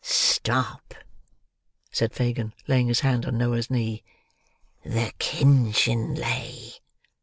"Stop!" said Fagin, laying his hand on Noah's knee. "The kinchin lay."